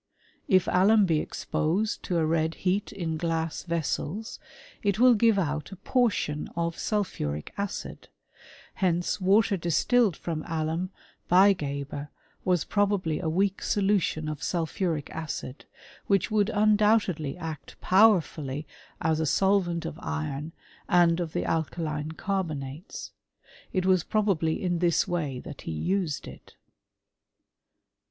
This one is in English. If alum be exposed to a red heat in glass vessels, it will give out a portion of sulphuric acid: hence water distilled from alum by ' Geber was probably a weak solution of sulphuric acid, which would undoubtedly act powerfully as a solvent of iron, and of the alkaline carbonates. It was pro bably in this way that he used it.